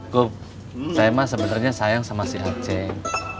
gop saya mah sebenarnya sayang sama si aceng